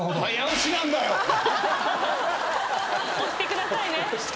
押してくださいね。